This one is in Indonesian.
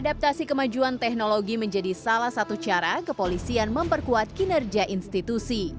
adaptasi kemajuan teknologi menjadi salah satu cara kepolisian memperkuat kinerja institusi